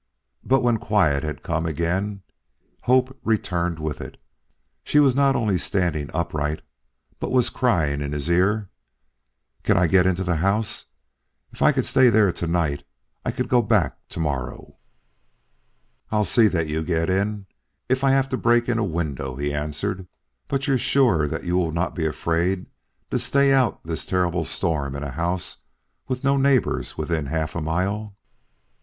But when quiet had come again, hope returned with it. She was not only standing upright but was crying in his ear: "Can I get into the house? If I could stay there to night, I could go back to morrow." "I'll see that you get in, if I have to break in a window," he answered. "But you're sure that you will not be afraid to stay out this terrible storm in a house with no neighbors within half a mile?"